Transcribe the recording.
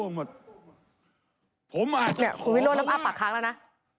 เนี่ยคุณวิโรธนับอ้าปปากค้างแล้วนะ